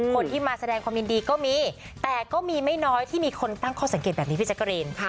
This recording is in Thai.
คนที่มาแสดงความยินดีก็มีแต่ก็มีไม่น้อยที่มีคนตั้งข้อสังเกตแบบนี้พี่แจ๊กรีน